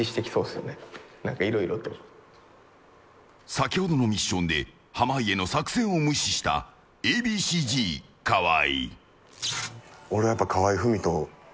先ほどのミッションで濱家の作戦を無視したＡ．Ｂ．Ｃ‐Ｚ河合。